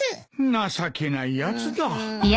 情けないやつだ。